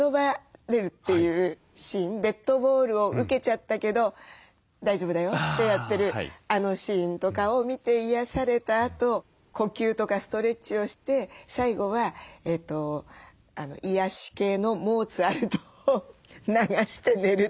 デッドボールを受けちゃったけど大丈夫だよってやってるあのシーンとかを見て癒やされたあと呼吸とかストレッチをして最後は癒やし系のモーツァルトを流して寝るという。